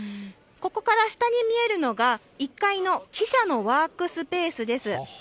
ここから下に見えるのが、１階の記者のワークスペースです。